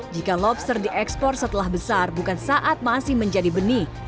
jika lobster diekspor setelah besar bukan saat masih menjadi benih